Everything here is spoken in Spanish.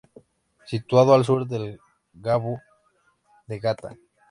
Situado al sur del cabo de Gata.